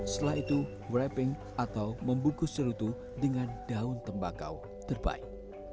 setelah itu wrapping atau membungkus serutu dengan daun tembakau terbaik